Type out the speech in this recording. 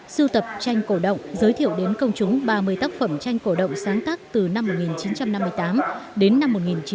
sưu tập tranh cổ động giới thiệu đến công chúng ba mươi tác phẩm tranh cổ động sáng tác từ năm một nghìn chín trăm năm mươi tám đến năm một nghìn chín trăm bảy mươi